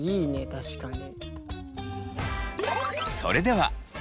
確かに。